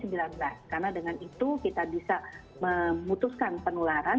kita bisa memutuskan penularan